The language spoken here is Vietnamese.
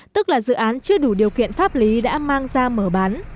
tức là dự án chưa đủ điều kiện pháp lý đã mang ra mở bán